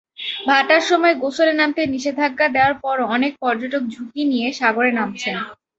ভাটার সময় গোসলে নামতে নিষেধাজ্ঞা দেওয়ার পরও অনেক পর্যটক ঝুঁকি নিয়ে সাগরে নামছেন।